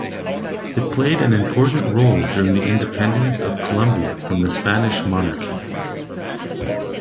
It played an important role during the Independence of Colombia from the Spanish monarchy.